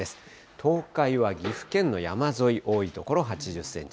東海は岐阜県の山沿い、多い所８０センチ。